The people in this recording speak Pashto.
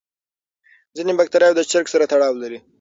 ځینې بکتریاوې د چرګ سره تړاو لري.